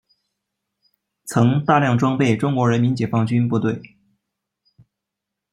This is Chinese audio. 曾大量装备中国人民解放军部队。